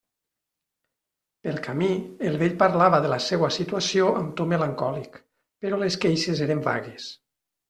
Pel camí el vell parlava de la seua situació amb to melancòlic; però les queixes eren vagues.